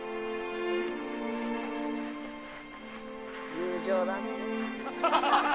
友情だね。